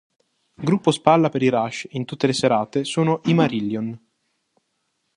Gruppo spalla per i Rush in tutte le serate sono i Marillion.